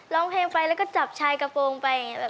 ร้องเพลงไปแล้วก็จับชายกระโปรงไปอย่างนี้